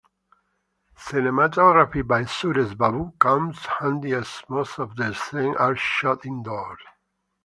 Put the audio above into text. Cinematography by Suresh Babu comes handy as most of the scenes are shot indoors.